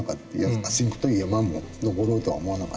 「ａｓｙｎｃ」という山も登ろうとは思わなかった。